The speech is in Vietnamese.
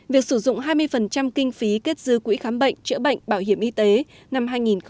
việc sử dụng hai mươi kinh phí kết dư quỹ khám bệnh chữa bệnh bảo hiểm y tế năm hai nghìn một mươi năm